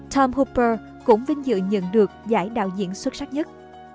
tom hopur cũng vinh dự nhận được giải đạo diễn xuất sắc nhất